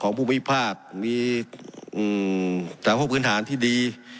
ของภูมิพลาดมีมงสถานพวกพื้นฐานที่ดี